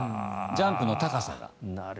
ジャンプの高さが。